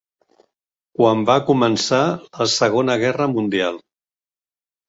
Quan va començar la Segona Guerra Mundial.